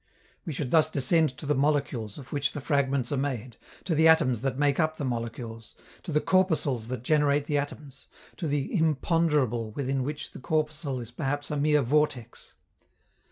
We should thus descend to the molecules of which the fragments are made, to the atoms that make up the molecules, to the corpuscles that generate the atoms, to the "imponderable" within which the corpuscle is perhaps a mere vortex.